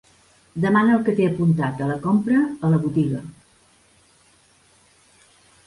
Demana el que t'he apuntat a la compra a la botiga.